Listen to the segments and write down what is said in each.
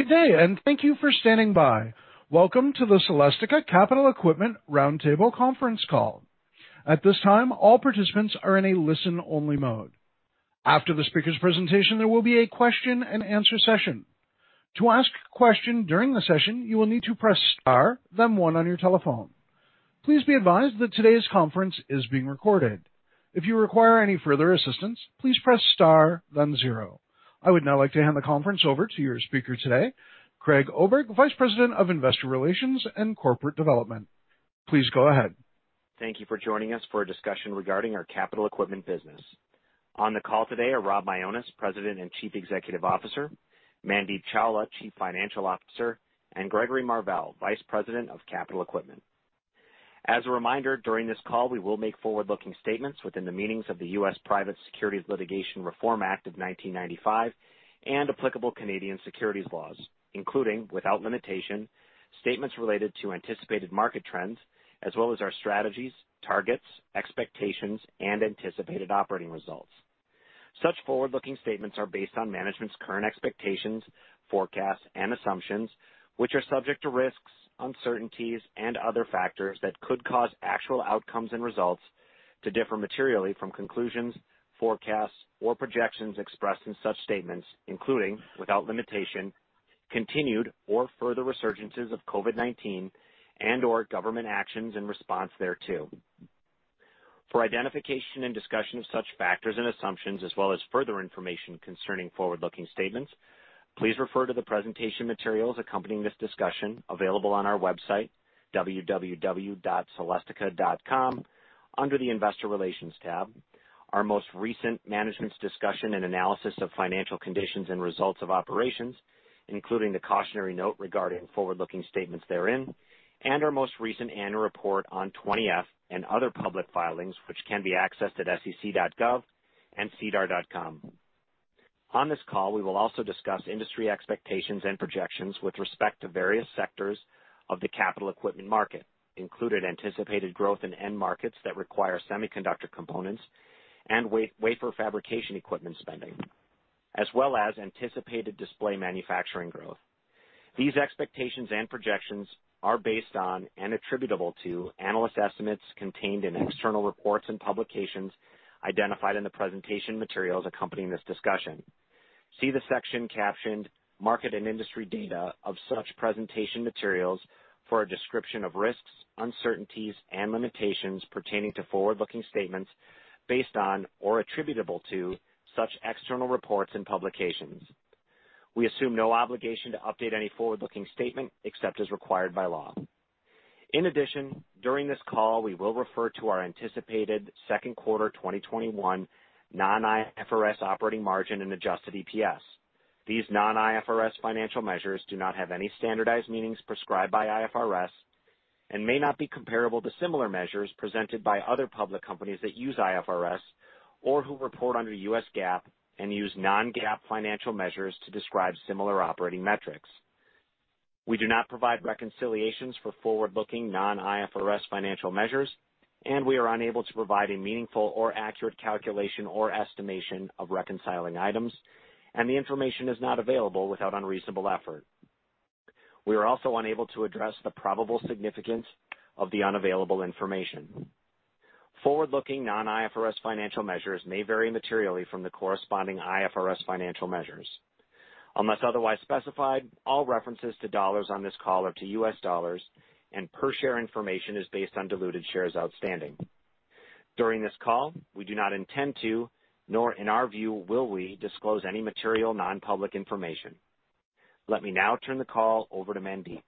Good day, and thank you for standing by. Welcome to the Celestica Capital Equipment Roundtable conference call. At this time, all participants are in listen-only mode. After the speaker's presentation, there will be a question and answer session. To ask a question during the session, you will need to press star, then one on your telephone. Please be advised that today's conference is being recorded. If you require any further assistance, please press star, then zero. I would now like to hand the conference over to your speaker today, Craig Oberg, Vice President of Investor Relations and Corporate Development. Please go ahead. Thank you for joining us for a discussion regarding our Capital Equipment business. On the call today are Rob Mionis, President and Chief Executive Officer, Mandeep Chawla, Chief Financial Officer, and Gregory Marvell, Vice President of Capital Equipment. As a reminder, during this call, we will make forward-looking statements within the meanings of the U.S. Private Securities Litigation Reform Act of 1995 and applicable Canadian securities laws, including, without limitation, statements related to anticipated market trends, as well as our strategies, targets, expectations, and anticipated operating results. Such forward-looking statements are based on management's current expectations, forecasts, and assumptions, which are subject to risks, uncertainties, and other factors that could cause actual outcomes and results to differ materially from conclusions, forecasts, or projections expressed in such statements, including, without limitation, continued or further resurgences of COVID-19 and/or government actions in response thereto. For identification and discussion of such factors and assumptions, as well as further information concerning forward-looking statements, please refer to the presentation materials accompanying this discussion, available on our website www.celestica.com, under the Investor Relations tab. Our most recent management's discussion and analysis of financial conditions and results of operations, including the cautionary note regarding forward-looking statements therein, and our most recent annual report on 20-F and other public filings, which can be accessed at sec.gov and sedar.com. On this call, we will also discuss industry expectations and projections with respect to various sectors of the Capital Equipment market, including anticipated growth in end markets that require semiconductor components and wafer fabrication equipment spending, as well as anticipated display manufacturing growth. These expectations and projections are based on and attributable to analyst estimates contained in external reports and publications identified in the presentation materials accompanying this discussion. See the section captioned Market and Industry Data of such presentation materials for a description of risks, uncertainties, and limitations pertaining to forward-looking statements based on or attributable to such external reports and publications. We assume no obligation to update any forward-looking statement except as required by law. In addition, during this call, we will refer to our anticipated second quarter 2021 non-IFRS operating margin and adjusted EPS. These non-IFRS financial measures do not have any standardized meanings prescribed by IFRS and may not be comparable to similar measures presented by other public companies that use IFRS or who report under US GAAP and use non-GAAP financial measures to describe similar operating metrics. We do not provide reconciliations for forward-looking non-IFRS financial measures, and we are unable to provide a meaningful or accurate calculation or estimation of reconciling items, and the information is not available without unreasonable effort. We are also unable to address the probable significance of the unavailable information. Forward-looking non-IFRS financial measures may vary materially from the corresponding IFRS financial measures. Unless otherwise specified, all references to dollars on this call are to U.S. dollars, and per share information is based on diluted shares outstanding. During this call, we do not intend to, nor in our view, will we disclose any material non-public information. Let me now turn the call over to Mandeep.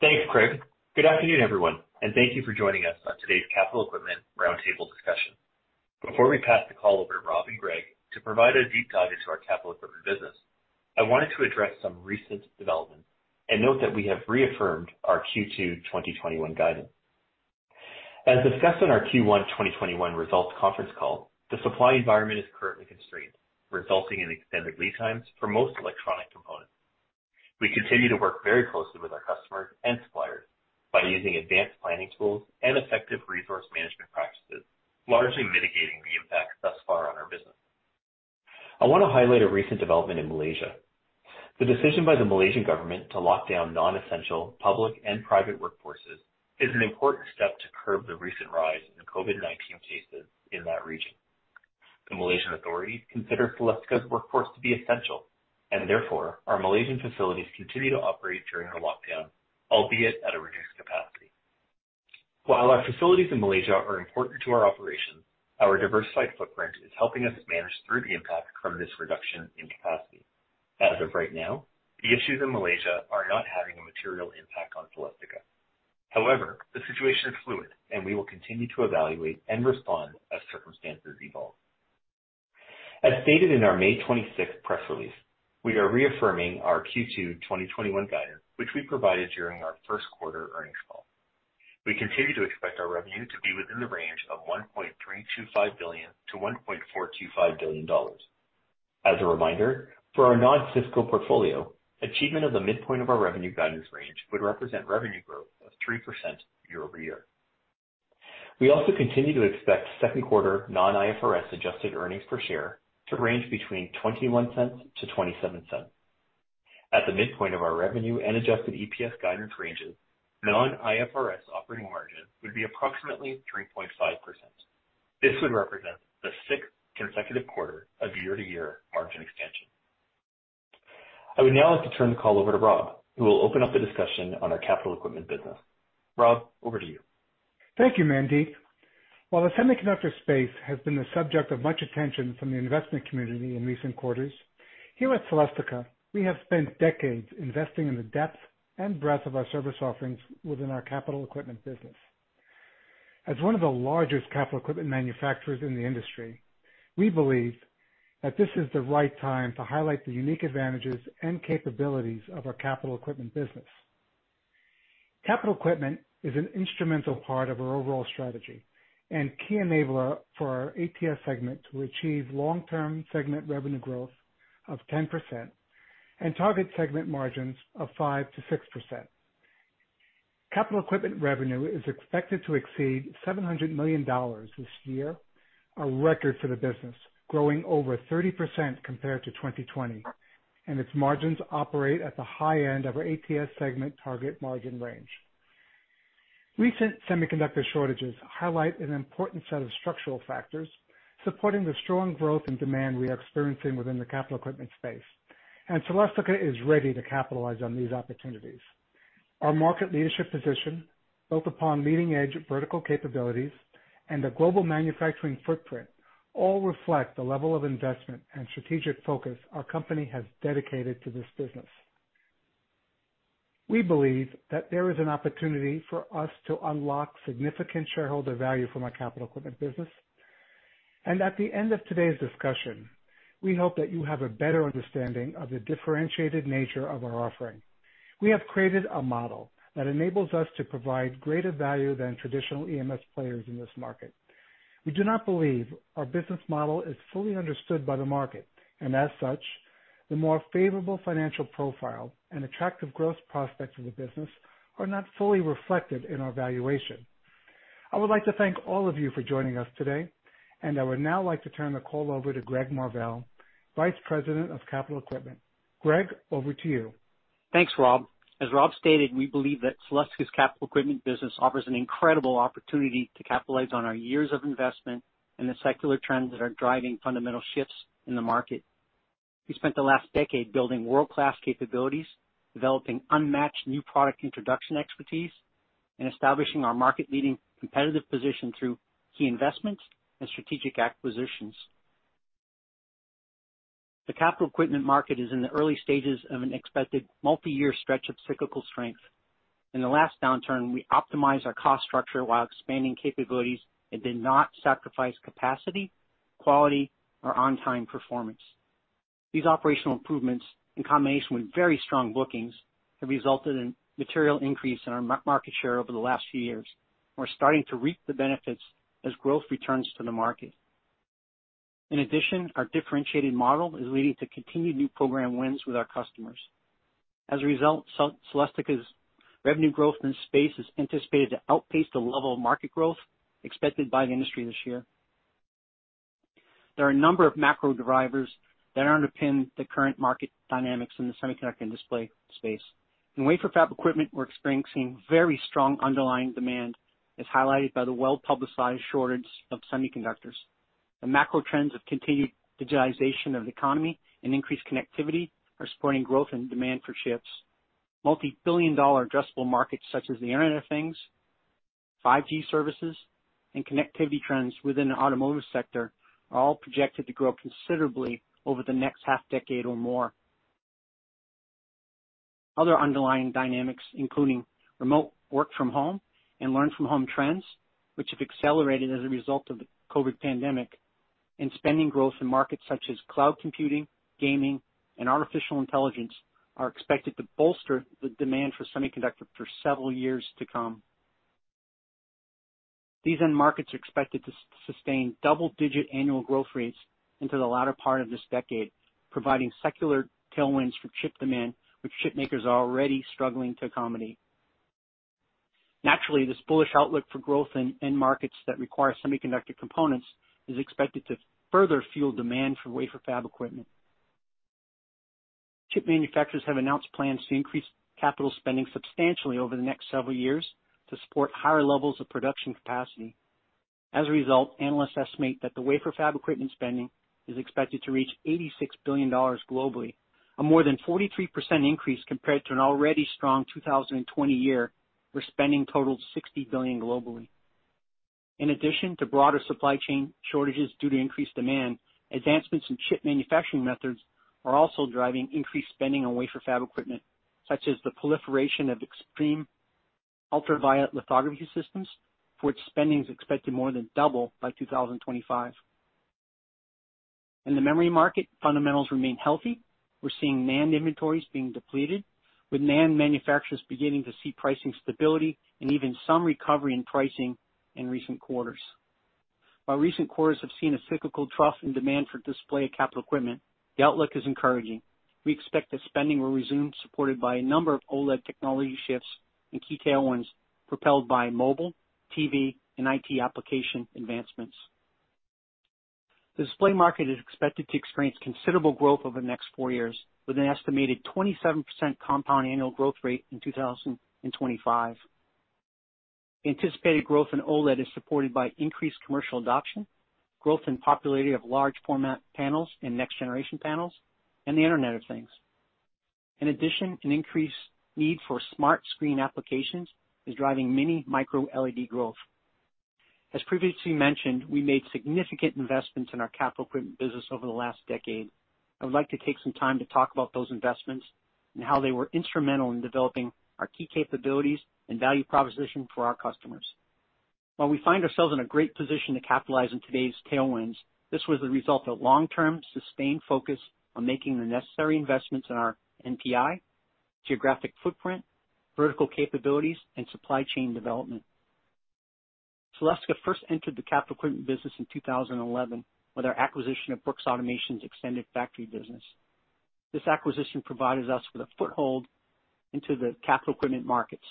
Thanks, Craig. Good afternoon, everyone, and thank you for joining us on today's Capital Equipment roundtable discussion. Before we pass the call over to Rob and Greg to provide a deep dive into our Capital Equipment business, I wanted to address some recent developments and note that we have reaffirmed our Q2 2021 guidance. As discussed on our Q1 2021 results conference call, the supply environment is currently constrained, resulting in extended lead times for most electronic components. We continue to work very closely with our customers and suppliers by using advanced planning tools and effective resource management practices, largely mitigating the impact thus far on our business. I want to highlight a recent development in Malaysia. The decision by the Malaysian government to lock down non-essential public and private workforces is an important step to curb the recent rise in COVID-19 cases in that region. The Malaysian authorities consider Celestica's workforce to be essential, therefore, our Malaysian facilities continue to operate during the lockdown, albeit at a reduced capacity. While our facilities in Malaysia are important to our operations, our diversified footprint is helping us manage through the impact from this reduction in capacity. As of right now, the issues in Malaysia are not having a material impact on Celestica. However, the situation is fluid, we will continue to evaluate and respond as circumstances evolve. As stated in our May 26th press release, we are reaffirming our Q2 2021 guidance, which we provided during our first quarter earnings call. We continue to expect our revenue to be within the range of $1.325 billion to $1.425 billion. As a reminder, for our non-Cisco portfolio, achievement of the midpoint of our revenue guidance range would represent revenue growth of 3% year-over-year. We also continue to expect second quarter non-IFRS adjusted earnings per share to range between $0.21 to $0.27. At the midpoint of our revenue and adjusted EPS guidance ranges, non-IFRS operating margin would be approximately 3.5%. This would represent the sixth consecutive quarter of year-to-year margin expansion. I would now like to turn the call over to Rob, who will open up the discussion on our Capital Equipment business. Rob, over to you. Thank you, Mandeep. While the semiconductor space has been the subject of much attention from the investment community in recent quarters, here at Celestica, we have spent decades investing in the depth and breadth of our service offerings within our Capital Equipment business. As one of the largest Capital Equipment manufacturers in the industry, we believe that this is the right time to highlight the unique advantages and capabilities of our Capital Equipment business. Capital Equipment is an instrumental part of our overall strategy and key enabler for our ATS segment to achieve long-term segment revenue growth of 10% and target segment margins of 5%-6%. Capital Equipment revenue is expected to exceed $700 million this year, a record for the business, growing over 30% compared to 2020, and its margins operate at the high end of our ATS segment target margin range. Recent semiconductor shortages highlight an important set of structural factors supporting the strong growth and demand we are experiencing within the Capital Equipment space. Celestica is ready to capitalize on these opportunities. Our market leadership position, built upon leading-edge vertical capabilities, and a global manufacturing footprint, all reflect the level of investment and strategic focus our company has dedicated to this business. We believe that there is an opportunity for us to unlock significant shareholder value from our Capital Equipment business. At the end of today's discussion, we hope that you have a better understanding of the differentiated nature of our offering. We have created a model that enables us to provide greater value than traditional EMS players in this market. We do not believe our business model is fully understood by the market, and as such, the more favorable financial profile and attractive growth prospects of the business are not fully reflected in our valuation. I would like to thank all of you for joining us today, and I would now like to turn the call over to Greg Marvell, Vice President of Capital Equipment. Greg, over to you. Thanks, Rob. As Rob stated, we believe that Celestica's Capital Equipment business offers an incredible opportunity to capitalize on our years of investment and the secular trends that are driving fundamental shifts in the market. We spent the last decade building world-class capabilities, developing unmatched new product introduction expertise, and establishing our market-leading competitive position through key investments and strategic acquisitions. The Capital Equipment market is in the early stages of an expected multi-year stretch of cyclical strength. In the last downturn, we optimized our cost structure while expanding capabilities, and did not sacrifice capacity, quality, or on-time performance. These operational improvements, in combination with very strong bookings, have resulted in material increase in our market share over the last few years. We're starting to reap the benefits as growth returns to the market. In addition, our differentiated model is leading to continued new program wins with our customers. As a result, Celestica's revenue growth in this space is anticipated to outpace the level of market growth expected by the industry this year. There are a number of macro drivers that underpin the current market dynamics in the semiconductor display space. In wafer fab equipment, we're experiencing very strong underlying demand, as highlighted by the well-publicized shortage of semiconductors. The macro trends of continued digitization of the economy and increased connectivity are supporting growth and demand for chips. Multi-billion-dollar addressable markets such as the Internet of Things, 5G services, and connectivity trends within the automotive sector are all projected to grow considerably over the next half-decade or more. Other underlying dynamics including remote work-from-home and learn-from-home trends, which have accelerated as a result of the COVID pandemic, and spending growth in markets such as cloud computing, gaming, and artificial intelligence are expected to bolster the demand for semiconductors for several years to come. These end markets are expected to sustain double-digit annual growth rates into the latter part of this decade, providing secular tailwinds for chip demand, which chip makers are already struggling to accommodate. Naturally, this bullish outlook for growth in end markets that require semiconductor components is expected to further fuel demand for wafer fab equipment. Chip manufacturers have announced plans to increase capital spending substantially over the next several years to support higher levels of production capacity. Analysts estimate that the wafer fab equipment spending is expected to reach $86 billion globally, a more than 43% increase compared to an already strong 2020 year, where spending totaled $60 billion globally. In addition to broader supply chain shortages due to increased demand, advancements in chip manufacturing methods are also driving increased spending on wafer fab equipment, such as the proliferation of extreme ultraviolet lithography systems, for which spending is expected to more than double by 2025. In the memory market, fundamentals remain healthy. We're seeing NAND inventories being depleted, with NAND manufacturers beginning to see pricing stability and even some recovery in pricing in recent quarters. While recent quarters have seen a cyclical trough in demand for display Capital Equipment, the outlook is encouraging. We expect that spending will resume, supported by a number of OLED technology shifts and key tailwinds propelled by mobile, TV, and IT application advancements. The display market is expected to experience considerable growth over the next four years, with an estimated 27% compound annual growth rate in 2025. Anticipated growth in OLED is supported by increased commercial adoption, growth in popularity of large format panels and next generation panels, and the Internet of Things. In addition, an increased need for smart screen applications is driving mini micro LED growth. As previously mentioned, we made significant investments in our Capital Equipment business over the last decade. I would like to take some time to talk about those investments and how they were instrumental in developing our key capabilities and value proposition for our customers. While we find ourselves in a great position to capitalize on today's tailwinds, this was a result of long-term sustained focus on making the necessary investments in our NPI, geographic footprint, vertical capabilities, and supply chain development. Celestica first entered the Capital Equipment business in 2011 with our acquisition of Brooks Automation's extended factory business. This acquisition provided us with a foothold into the Capital Equipment markets,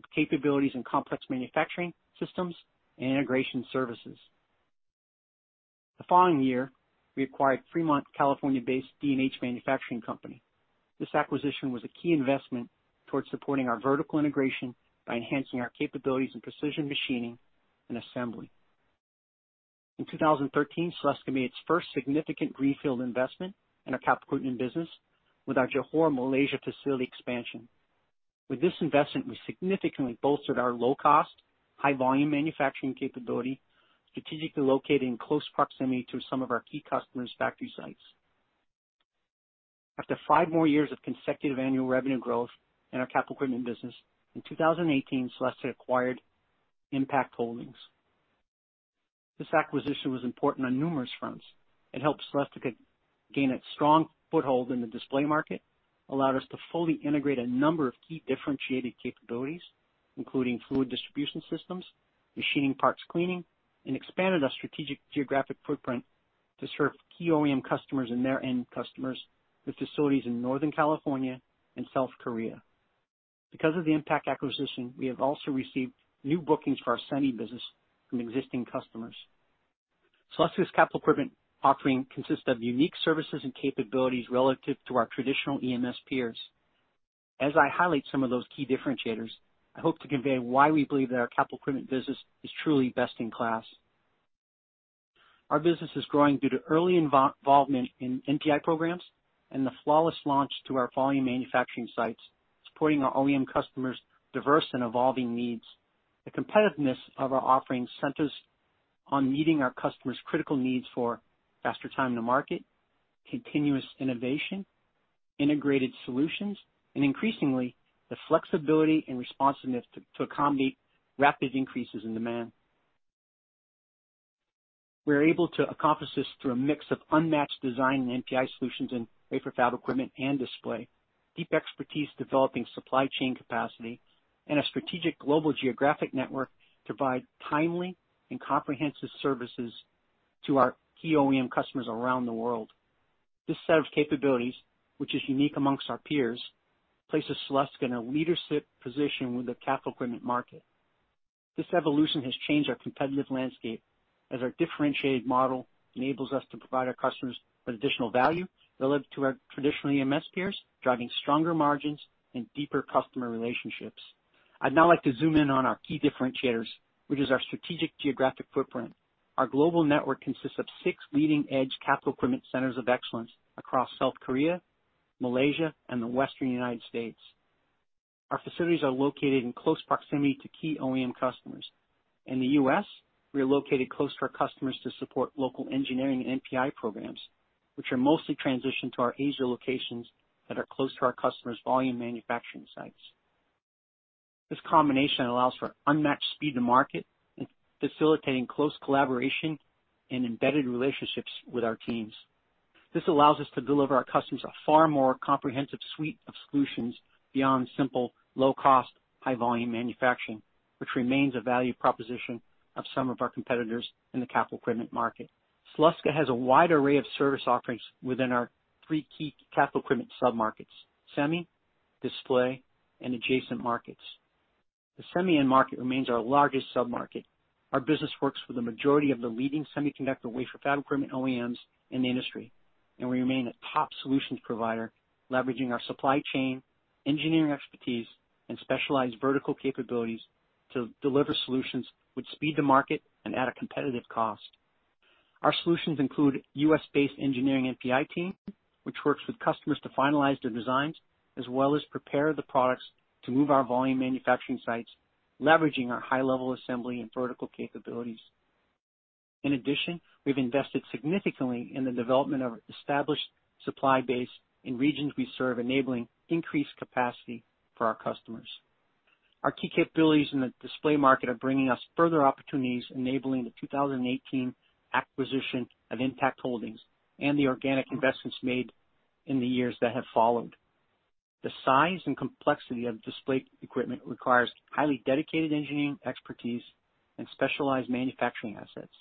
with capabilities in complex manufacturing systems and integration services. The following year, we acquired Fremont, California-based D&H Manufacturing Company. This acquisition was a key investment towards supporting our vertical integration by enhancing our capabilities in precision machining and assembly. In 2013, Celestica made its first significant greenfield investment in our Capital Equipment business with our Johor, Malaysia facility expansion. With this investment, we significantly bolstered our low-cost, high-volume manufacturing capability, strategically located in close proximity to some of our key customers' factory sites. After five more years of consecutive annual revenue growth in our Capital Equipment business, in 2018, Celestica acquired Impakt Holdings. This acquisition was important on numerous fronts. It helped Celestica gain a strong foothold in the display market, allowed us to fully integrate a number of key differentiated capabilities, including fluid distribution systems, machined parts cleaning, and expanded our strategic geographic footprint to serve key OEM customers and their end customers with facilities in Northern California and South Korea. Because of the Impakt acquisition, we have also received new bookings for our semi business from existing customers. Celestica's Capital Equipment offering consists of unique services and capabilities relative to our traditional EMS peers. As I highlight some of those key differentiators, I hope to convey why we believe that our Capital Equipment business is truly best in class. Our business is growing due to early involvement in NPI programs and the flawless launch to our volume manufacturing sites, supporting our OEM customers' diverse and evolving needs. The competitiveness of our offerings centers on meeting our customers' critical needs for faster time to market, continuous innovation, integrated solutions, and increasingly, the flexibility and responsiveness to accommodate rapid increases in demand. We are able to accomplish this through a mix of unmatched design and NPI solutions in wafer fab equipment and display, deep expertise developing supply chain capacity, and a strategic global geographic network to provide timely and comprehensive services to our key OEM customers around the world. This set of capabilities, which is unique amongst our peers, places Celestica in a leadership position with the Capital Equipment market. This evolution has changed our competitive landscape, as our differentiated model enables us to provide our customers with additional value relative to our traditional EMS peers, driving stronger margins and deeper customer relationships. I'd now like to zoom in on our key differentiators, which is our strategic geographic footprint. Our global network consists of six leading-edge Capital Equipment centers of excellence across South Korea, Malaysia, and the Western United States. Our facilities are located in close proximity to key OEM customers. In the U.S., we are located close to our customers to support local engineering and NPI programs, which are mostly transitioned to our Asia locations that are close to our customers' volume manufacturing sites. This combination allows for unmatched speed to market and facilitating close collaboration and embedded relationships with our teams. This allows us to deliver our customers a far more comprehensive suite of solutions beyond simple, low-cost, high-volume manufacturing, which remains a value proposition of some of our competitors in the Capital Equipment market. Celestica has a wide array of service offerings within our three key Capital Equipment sub-markets, semi, display, and adjacent markets. The semi end market remains our largest sub-market. Our business works with the majority of the leading semiconductor wafer fab equipment OEMs in the industry, and we remain a top solutions provider, leveraging our supply chain, engineering expertise, and specialized vertical capabilities to deliver solutions with speed to market and at a competitive cost. Our solutions include a U.S.-based engineering NPI team, which works with customers to finalize their designs, as well as prepare the products to move our volume manufacturing sites, leveraging our high-level assembly and vertical capabilities. In addition, we've invested significantly in the development of established supply base in regions we serve, enabling increased capacity for our customers. Our key capabilities in the display market are bringing us further opportunities, enabling the 2018 acquisition of Impakt Holdings and the organic investments made in the years that have followed. The size and complexity of display equipment requires highly dedicated engineering expertise and specialized manufacturing assets.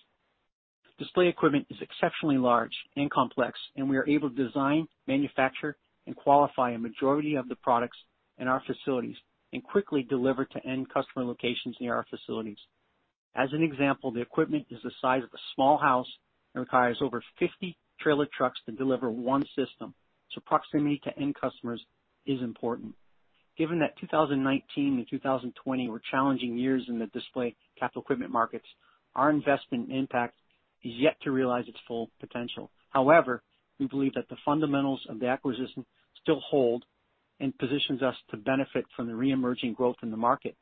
Display equipment is exceptionally large and complex, and we are able to design, manufacture, and qualify a majority of the products in our facilities and quickly deliver to end customer locations near our facilities. As an example, the equipment is the size of a small house and requires over 50 trailer trucks to deliver one system, so proximity to end customers is important. Given that 2019 and 2020 were challenging years in the display Capital Equipment markets, our investment Impakt is yet to realize its full potential. However, we believe that the fundamentals of the acquisition still hold and positions us to benefit from the re-emerging growth in the market.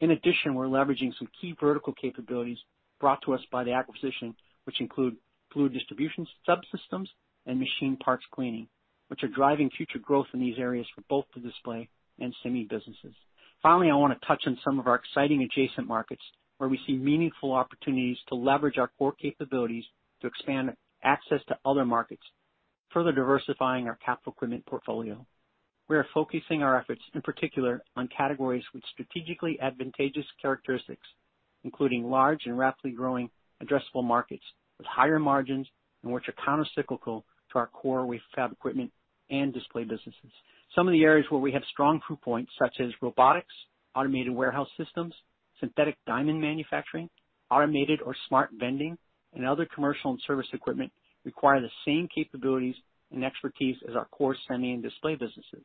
In addition, we're leveraging some key vertical capabilities brought to us by the acquisition, which include fluid delivery subsystems and machine parts cleaning, which are driving future growth in these areas for both the display and semi businesses. Finally, I want to touch on some of our exciting adjacent markets where we see meaningful opportunities to leverage our core capabilities to expand access to other markets, further diversifying our Capital Equipment portfolio. We are focusing our efforts in particular on categories with strategically advantageous characteristics, including large and rapidly growing addressable markets with higher margins and which are countercyclical to our core fab equipment and display businesses. Some of the areas where we have strong proof points, such as robotics, automated warehouse systems, synthetic diamond manufacturing, automated or smart vending, and other commercial and service equipment, require the same capabilities and expertise as our core semi and display businesses.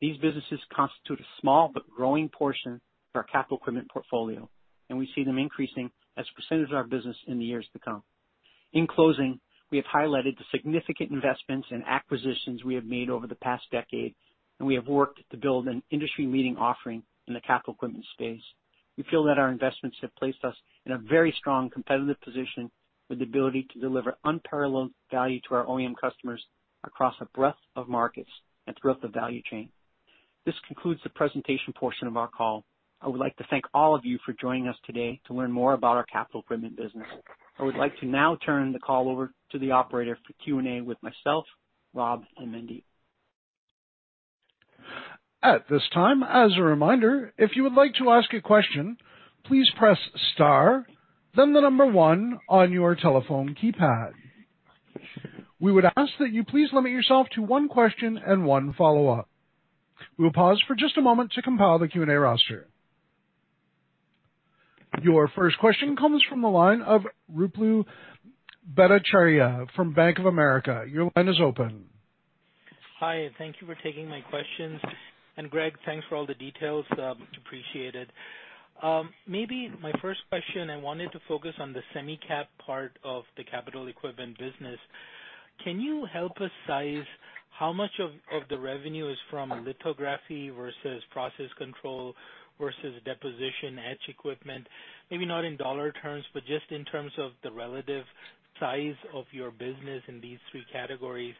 These businesses constitute a small but growing portion of our Capital Equipment portfolio, and we see them increasing as a percentage of our business in the years to come. In closing, we have highlighted the significant investments and acquisitions we have made over the past decade, and we have worked to build an industry-leading offering in the Capital Equipment space. We feel that our investments have placed us in a very strong competitive position with the ability to deliver unparalleled value to our OEM customers across a breadth of markets and throughout the value chain. This concludes the presentation portion of our call. I would like to thank all of you for joining us today to learn more about our Capital Equipment business. I would like to now turn the call over to the operator for Q&A with myself, Rob, and Mandeep. At this time, as a reminder, if you would like to ask a question, please press star, then the number one on your telephone keypad. We would ask that you please limit yourself to one question and one follow-up. We'll pause for just a moment to compile the Q&A roster. Your first question comes from the line of Ruplu Bhattacharya from Bank of America. Your line is open. Hi, thank you for taking my questions. Greg, thanks for all the details. Appreciate it. Maybe my first question, I wanted to focus on the semi cap part of the Capital Equipment business. Can you help us size how much of the revenue is from lithography versus process control versus deposition etch equipment? Maybe not in dollar terms, but just in terms of the relative size of your business in these three categories.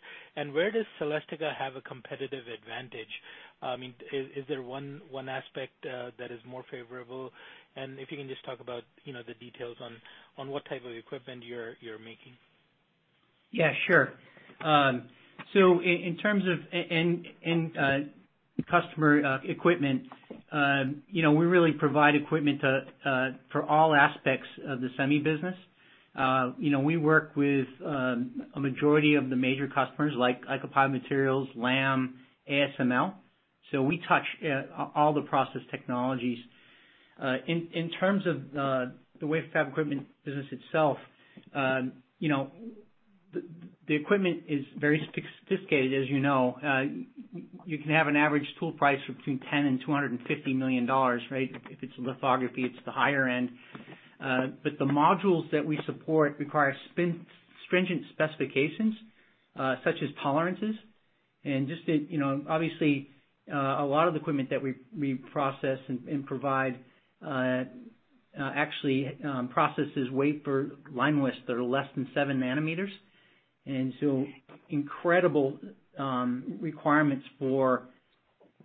Where does Celestica have a competitive advantage? Is there one aspect that is more favorable? If you can just talk about the details on what type of equipment you're making. Yeah, sure. In terms of end customer equipment, we really provide equipment for all aspects of the semi business. We work with a majority of the major customers like Applied Materials, Lam, ASML. We touch all the process technologies. In terms of the wafer fab equipment business itself, the equipment is very sophisticated, as you know. You can have an average tool price between $10 million and $250 million, right? If it's lithography, it's the higher end. The modules that we support require stringent specifications, such as tolerances. Obviously, a lot of the equipment that we process and provide actually processes wafer line widths that are less than seven nanometers. Incredible requirements for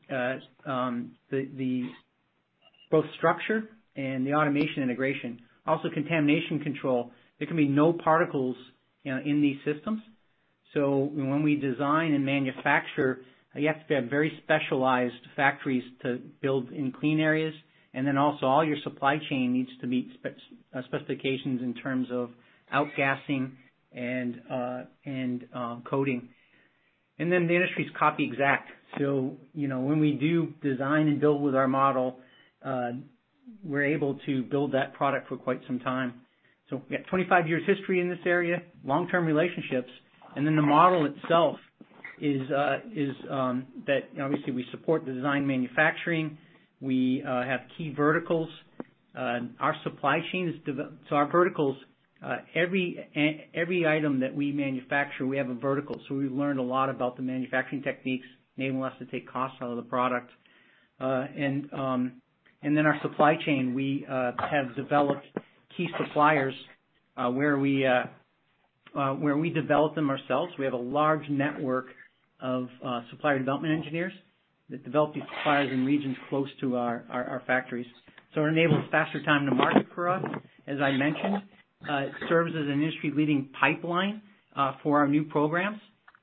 both structure and the automation integration. Also contamination control. There can be no particles in these systems. When we design and manufacture, you have to have very specialized factories to build in clean areas. Also all your supply chain needs to meet specifications in terms of outgassing and coding. The industry is copy exact. When we do design and build with our model, we're able to build that product for quite some time. We have 25 years history in this area, long-term relationships. The model itself is that, obviously, we support the design manufacturing. We have key verticals. Our supply chain is developed. Our verticals, every item that we manufacture, we have a vertical. We've learned a lot about the manufacturing techniques, enabling us to take cost out of the product. Our supply chain, we have developed key suppliers where we develop them ourselves. We have a large network of supplier development engineers developing suppliers and regions close to our factories. It enables faster time to market for us. As I mentioned, it serves as an industry-leading pipeline for our new programs,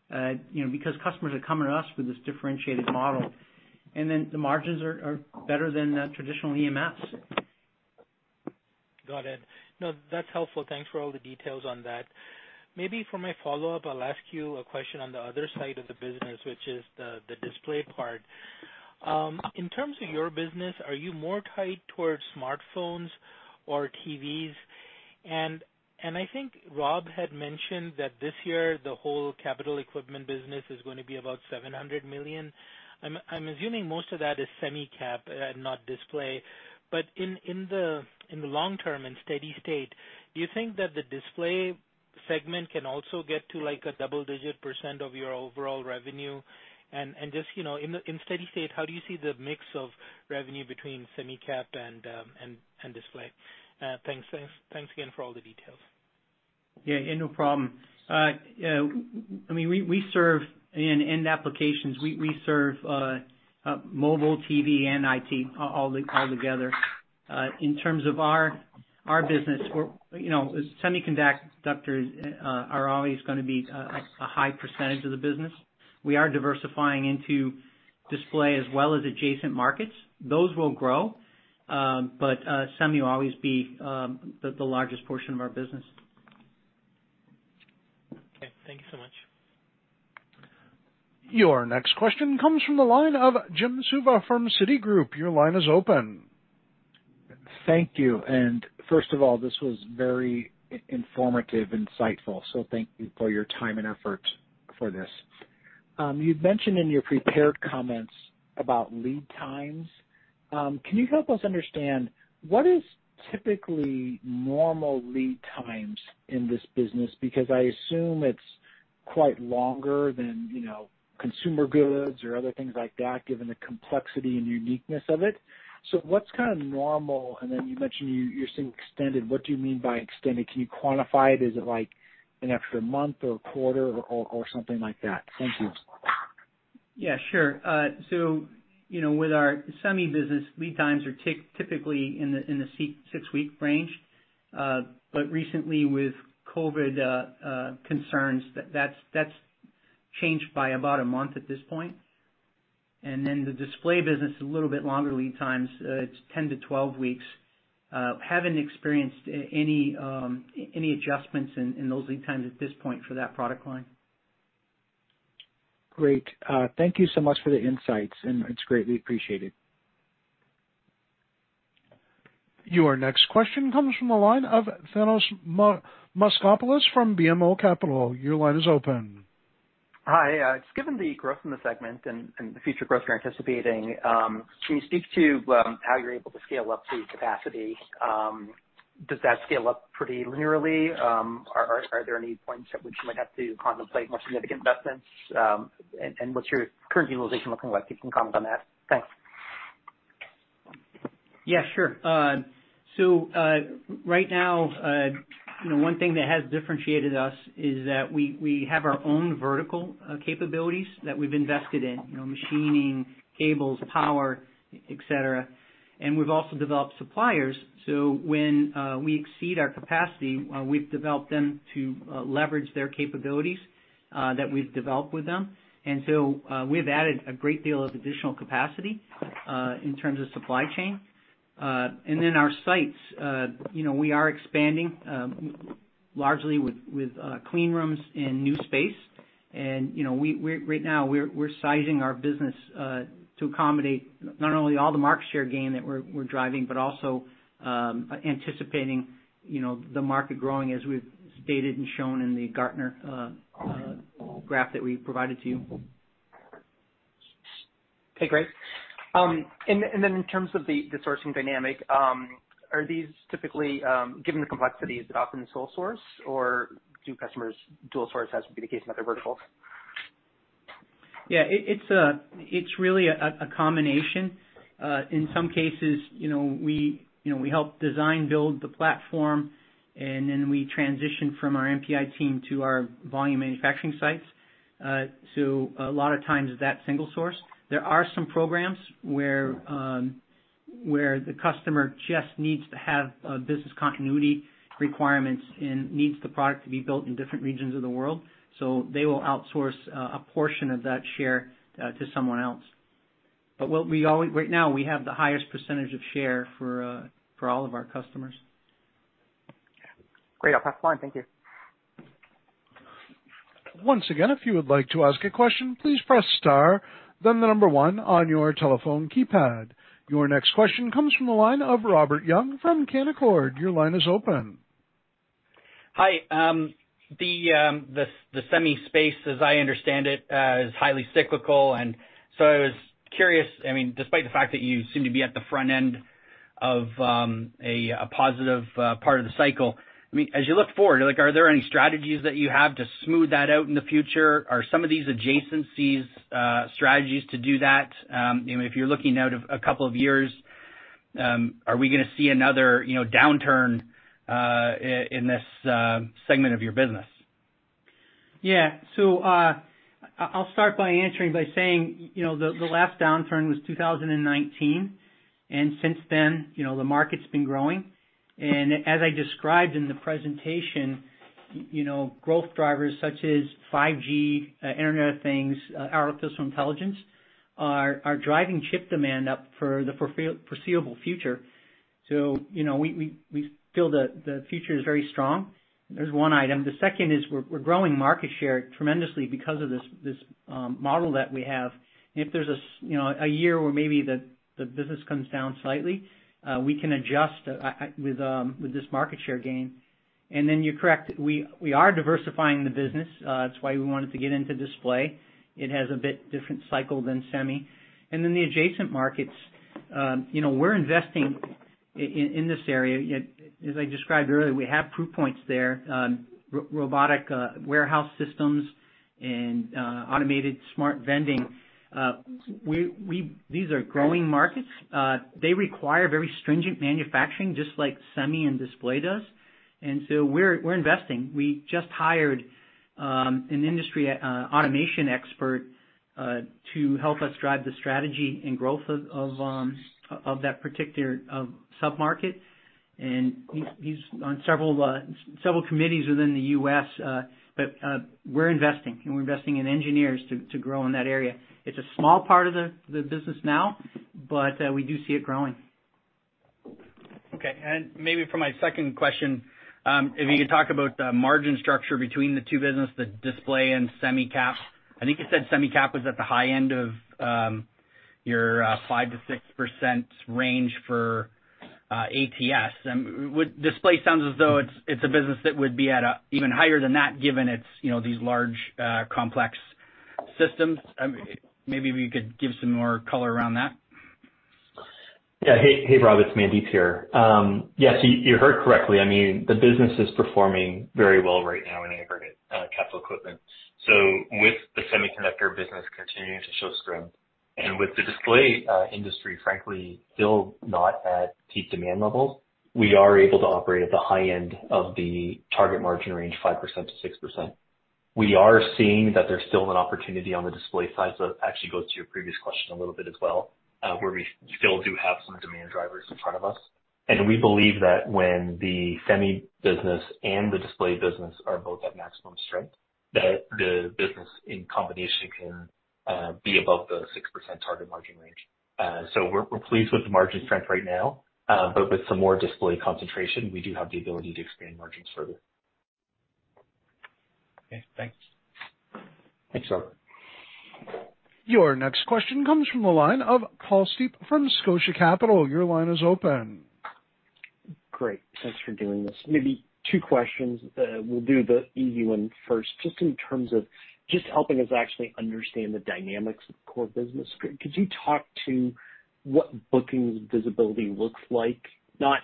because customers are coming to us with this differentiated model, and then the margins are better than traditional EMS. Got it. No, that's helpful. Thanks for all the details on that. Maybe for my follow-up, I'll ask you a question on the other side of the business, which is the display part. In terms of your business, are you more tied towards smartphones or TVs? I think Rob had mentioned that this year the whole Capital Equipment business is going to be about $700 million. I'm assuming most of that is semi cap and not display. In the long term, in steady state, do you think that the display segment can also get to a double-digit percent of your overall revenue? Just in steady state, how do you see the mix of revenue between semi cap and display? Thanks again for all the details. No problem. In end applications, we serve mobile, TV, and IT all together. In terms of our business, semiconductors are always going to be a high percentage of the business. We are diversifying into display as well as adjacent markets. Those will grow. Semi will always be the largest portion of our business. Okay, thanks so much. Your next question comes from the line of Jim Suva from Citigroup. Your line is open. Thank you. First of all, this was very informative, insightful, so thank you for your time and effort for this. You had mentioned in your prepared comments about lead times. Can you help us understand what is typically normal lead times in this business? Because I assume it's quite longer than consumer goods or other things like that, given the complexity and uniqueness of it. What's kind of normal, and then you mentioned you're seeing extended. What do you mean by extended? Can you quantify it? Is it like an extra month or quarter or something like that? Thank you. Yeah, sure. With our semi business, lead times are typically in the six-week range. Recently with COVID concerns, that's changed by about a month at this point. The display business is a little bit longer lead times. It's 10-12 weeks. Haven't experienced any adjustments in those lead times at this point for that product line. Great. Thank you so much for the insights, and it's greatly appreciated. Your next question comes from the line of Thanos Moschopoulos from BMO Capital. Your line is open. Hi. Given the growth in the segment and the future growth you're anticipating, can you speak to how you're able to scale up the capacity? Does that scale up pretty linearly? Are there any points at which you might have to contemplate more significant investments? What's your current utilization look like if you can comment on that? Thanks. Yeah, sure. Right now, one thing that has differentiated us is that we have our own vertical capabilities that we've invested in, machining, cables, power, et cetera, and we've also developed suppliers. When we exceed our capacity, we've developed them to leverage their capabilities that we've developed with them, we've added a great deal of additional capacity in terms of supply chain. Our sites, we are expanding largely with clean rooms and new space. Right now we're sizing our business to accommodate not only all the market share gain that we're driving, but also anticipating the market growing as we've stated and shown in the Gartner graph that we provided to you. Okay, great. In terms of the sourcing dynamic, are these typically, given the complexities, is it often sole source, or do customers dual source as would be the case in other verticals? Yeah. It's really a combination. In some cases, we help design build the platform, and then we transition from our NPI team to our volume manufacturing sites. A lot of times it's that single source. There are some programs where the customer just needs to have business continuity requirements and needs the product to be built in different regions of the world. They will outsource a portion of that share to someone else. Right now, we have the highest % of share for all of our customers. Great. I'll pass it on. Thank you. Once again, if you would like to ask a question, please press star, then one on your telephone keypad. Your next question comes from the line of Robert Young from Canaccord. Your line is open. Hi. The semi space as I understand it, is highly cyclical, and so I was curious, despite the fact that you seem to be at the front end of a positive part of the cycle, as you look forward, are there any strategies that you have to smooth that out in the future? Are some of these adjacencies strategies to do that? If you're looking out a couple of years, are we going to see another downturn in this segment of your business? I'll start by answering by saying, the last downturn was 2019, and since then, the market's been growing. As I described in the presentation, growth drivers such as 5G, Internet of Things, artificial intelligence are driving chip demand up for the foreseeable future. We feel that the future is very strong. There's one item. The second is we're growing market share tremendously because of this model that we have. If there's a year where maybe the business comes down slightly, we can adjust with this market share gain. You're correct, we are diversifying the business. That's why we wanted to get into display. It has a bit different cycle than semi. The adjacent markets, we're investing in this area. As I described earlier, we have proof points there, robotic warehouse systems and automated smart vending. These are growing markets. They require very stringent manufacturing, just like semi and display does. We're investing. We just hired an industry automation expert to help us drive the strategy and growth of that particular sub-market. He's on several committees within the U.S., but we're investing. We're investing in engineers to grow in that area. It's a small part of the business now, but we do see it growing. Okay, maybe for my second question, if you could talk about the margin structure between the two businesses, display and semi cap. I think you said semi cap was at the high end of your 5%-6% range for ATS. With display sounds as though it's a business that would be at even higher than that, given it's these large, complex systems. Maybe we could give some more color around that? Hey, Robert. It's me, Mandeep here. You heard correctly. The business is performing very well right now in aggregate Capital Equipment. With the semiconductor business continuing to show strength and with the display industry, frankly, still not at peak demand levels, we are able to operate at the high end of the target margin range, 5%-6%. We are seeing that there's still an opportunity on the display side, that actually goes to your previous question a little bit as well, where we still do have some demand drivers in front of us. We believe that when the semi business and the display business are both at maximum strength, that the business in combination can be above the 6% target margin range. We're pleased with the margin strength right now. With some more display concentration, we do have the ability to expand margins further. Okay. Thanks. Thanks, Robert. Your next question comes from the line of Paul Steep from Scotia Capital. Your line is open. Great. Thanks for doing this. Maybe two questions. We'll do the easy one first, just in terms of just helping us actually understand the dynamics of the core business. Could you talk to what bookings visibility looks like? Not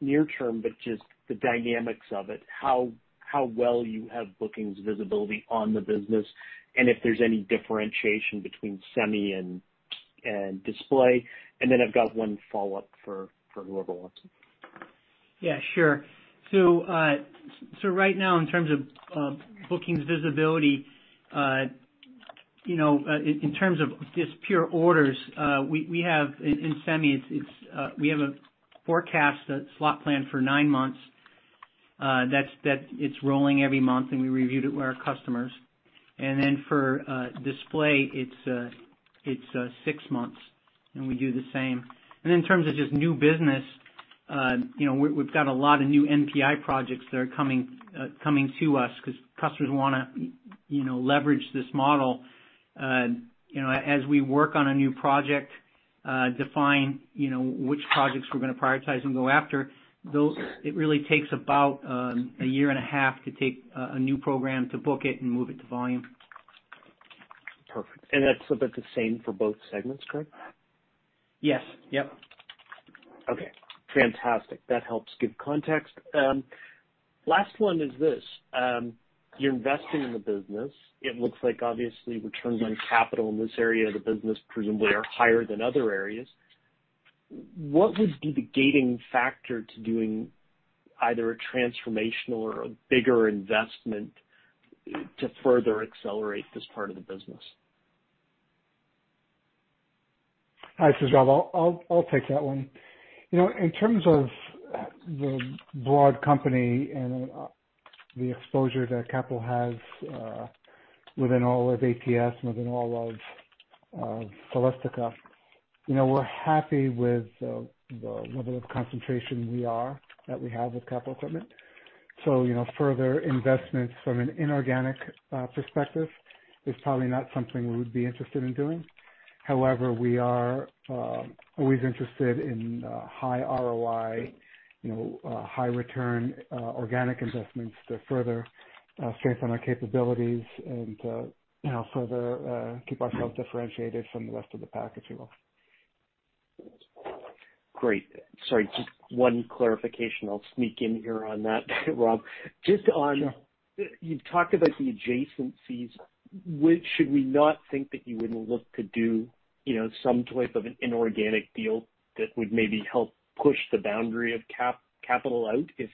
near term, but just the dynamics of it, how well you have bookings visibility on the business, and if there's any differentiation between semi and display. I've got one follow-up for Rob Mionis. Yeah, sure. Right now, in terms of bookings visibility, in terms of just pure orders, we have in semis, we have a forecast, a slot plan for nine months that it's rolling every month, and we review it with our customers. For display, it's six months, and we do the same. In terms of just new business, we've got a lot of new NPI projects that are coming to us because customers want to leverage this model. As we work on a new project, define which projects we're going to prioritize and go after, it really takes about a year and a half to take a new program to book it and move it to volume. Perfect. That's about the same for both segments, correct? Yes. Okay, fantastic. That helps give context. Last one is this. You're investing in the business. It looks like obviously returns on capital in this area of the business presumably are higher than other areas. What would be the gating factor to doing either a transformational or a bigger investment to further accelerate this part of the business? Alright, so I'll take that one. In terms of the broad company and the exposure that Capital has within all of ATS, within all of Celestica, we're happy with the level of concentration we are, that we have with Capital Equipment. Further investments from an inorganic perspective is probably not something we would be interested in doing. However, we are always interested in high ROI, high return organic investments to further strengthen our capabilities and to further keep ourselves differentiated from the rest of the packaging world. Great. Sorry, just one clarification I'll sneak in here on that, Rob. Sure. Just on, you talk about the adjacencies. Should we not think that you would look to do some type of an inorganic deal that would maybe help push the boundary of Capital out if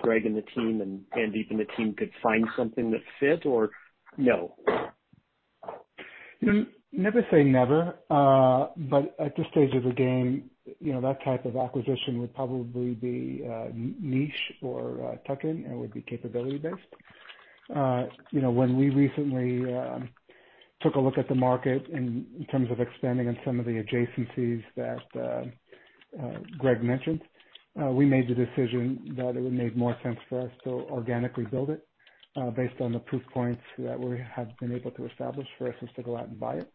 Greg and the team and Mandeep and the team could find something that fit, or no? Never say never, but at this stage of the game, that type of acquisition would probably be niche or tuck-in and would be capability based. When we recently took a look at the market in terms of expanding on some of the adjacencies that Greg mentioned, we made the decision that it would make more sense for us to organically build it based on the proof points that we have been able to establish verses to go out and buy it.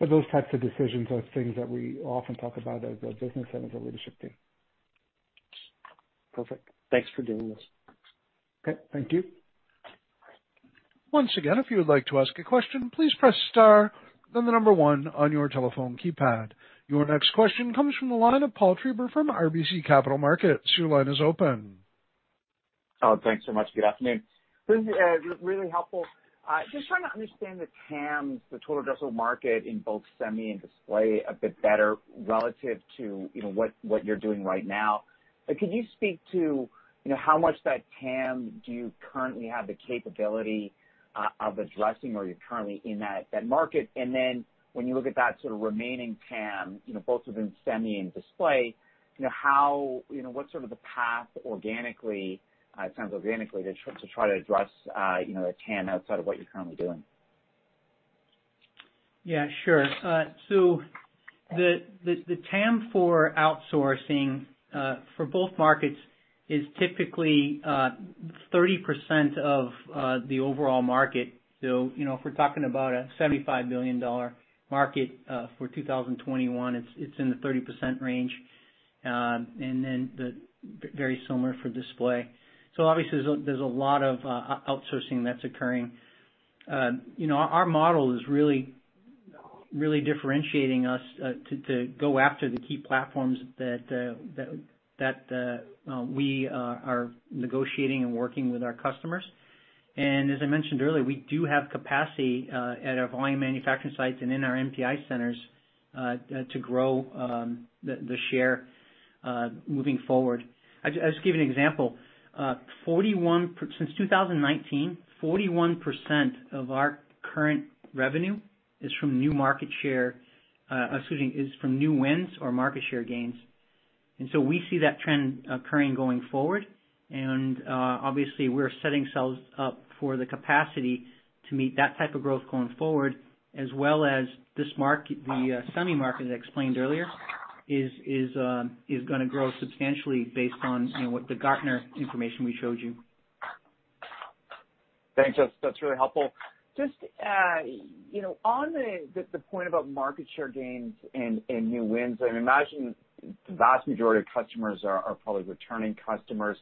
Those types of decisions are things that we often talk about as a business and as a leadership team. Perfect. Thanks for doing this. Okay. Thank you. Once again, if you would like to ask a question, please press star, then the number one on your telephone keypad. Your next question comes from the line of Paul Treiber from RBC Capital Markets. Your line is open. Thanks so much. Good afternoon. This is really helpful. Just trying to understand the TAMs, the total addressable market in both semi and display a bit better relative to what you're doing right now. Could you speak to how much that TAM do you currently have the capability of addressing or you're currently in that market? When you look at that sort of remaining TAM, both within semi and display, what's sort of the path organically to try to address the TAM outside of what you're currently doing? Sure. The TAM for outsourcing for both markets is typically 30% of the overall market. If we're talking about a $75 billion market for 2021, it's in the 30% range, and then very similar for display. Obviously, there's a lot of outsourcing that's occurring. Our model is really differentiating us to go after the key platforms that we are negotiating and working with our customers. As I mentioned earlier, we do have capacity at our volume manufacturing sites and in our NPI centers to grow the share moving forward. I'll just give you an example. Since 2019, 41% of our current revenue is from new wins or market share gains. We see that trend occurring going forward, and obviously we're setting ourselves up for the capacity to meet that type of growth going forward as well as the semi market I explained earlier is going to grow substantially based on what the Gartner information we showed you. Thanks, that's really helpful. Just on the point about market share gains and new wins, I imagine the vast majority of customers are probably returning customers.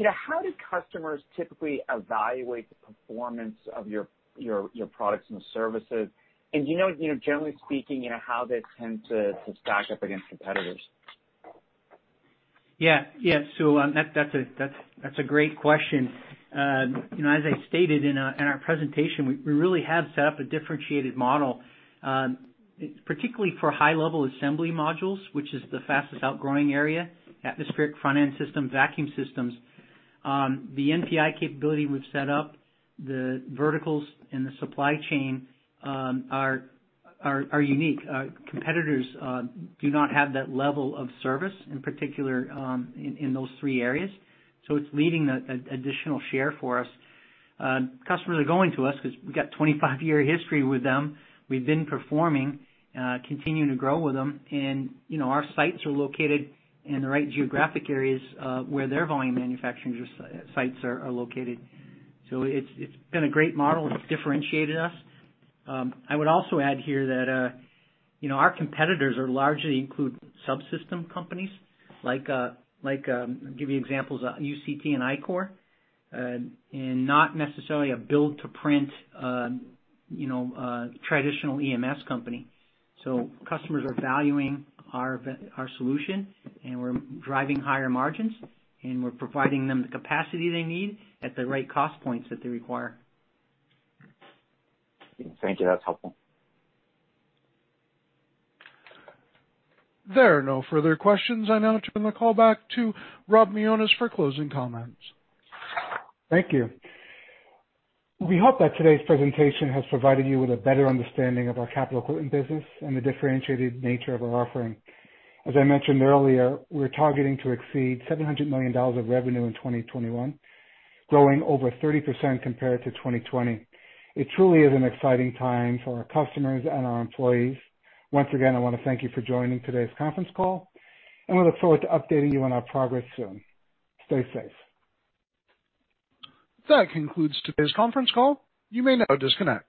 How do customers typically evaluate the performance of your products and services? Do you know, generally speaking, how they tend to stack up against competitors? That's a great question. As I stated in our presentation, we really have set up a differentiated model, particularly for high-level assembly modules, which is the fastest outgrowing area, atmospheric, furnace systems, vacuum systems. The NPI capability we've set up, the verticals and the supply chain are unique. Competitors do not have that level of service, in particular in those three areas, so it's leading additional share for us. Customers are going to us because we've got a 25-year history with them. We've been performing, continuing to grow with them. Our sites are located in the right geographic areas where their volume manufacturing sites are located. It's been a great model that's differentiated us. I would also add here that our competitors largely include subsystem companies like, I'll give you examples, UCT and Ichor, and not necessarily a build-to-print traditional EMS company. Customers are valuing our solution, and we're driving higher margins, and we're providing them the capacity they need at the right cost points that they require. Thank you. That's helpful. There are no further questions. I now turn the call back to Rob Mionis for closing comments. Thank you. We hope that today's presentation has provided you with a better understanding of our Capital Equipment business and the differentiated nature of our offering. As I mentioned earlier, we're targeting to exceed $700 million of revenue in 2021, growing over 30% compared to 2020. It truly is an exciting time for our customers and our employees. Once again, I want to thank you for joining today's conference call, and we look forward to updating you on our progress soon. Stay safe. That concludes today's conference call. You may now disconnect.